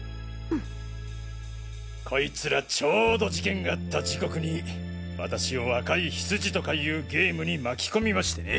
こいつらちょうど事件があった時刻に私を赤いヒツジとかいうゲームに巻き込みましてね。